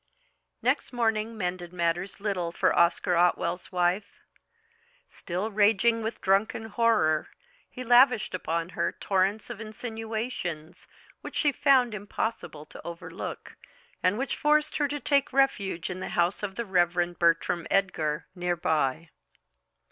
Next morning mended matters little for Oscar Otwell's wife. Still raging with drunken horror, he lavished upon her torrents of insinuations, which she found impossible to overlook, and which forced her to take refuge in the house of the Reverend Bertram Edgar, near by.